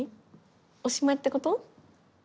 おしまいってこと？